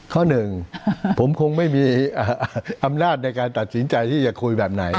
ข้อหนึ่งผมคงไม่มีอำนาจในการตัดสินใจที่จะคุยแบบไหน